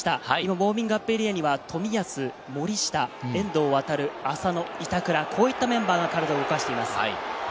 ウオーミングアップエリアには冨安、森下、遠藤航、浅野、板倉、こういったメンバーが体を動かしています。